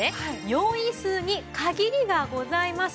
用意数に限りがございます。